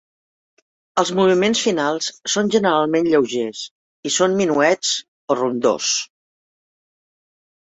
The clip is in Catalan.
Els moviments finals són generalment lleugers, i són minuets o rondós.